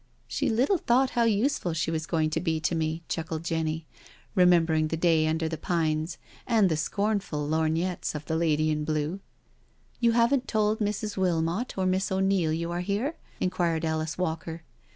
" She little thought how useful she was going to be to me," chuckled Jenny, remembering that day under the pines, and the scornful lorgnettes of the lady in blue. •• You haven't told Mrs. Wilmot or Miss O'Neil you are here?" inquired Alice Walker.